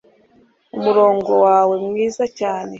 Umurongo wawe mwiza cyane